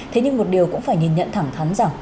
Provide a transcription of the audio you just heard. thế nhưng một điều cũng phải nhìn nhận thẳng thắn rằng